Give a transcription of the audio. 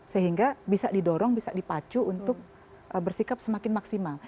sehingga bisa didorong bisa dipacu untuk bersikap semakin maksimal